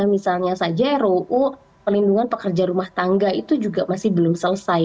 misalnya saja ruu pelindungan pekerja rumah tangga itu juga masih belum selesai